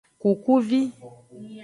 Kukuvi.